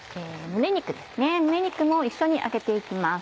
胸肉も一緒に揚げて行きます。